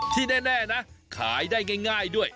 ที่แน่นะขายได้ง่ายด้วย